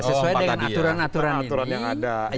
sesuai dengan aturan aturan ini